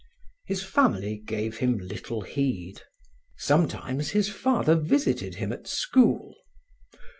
His family gave him little heed. Sometimes his father visited him at school.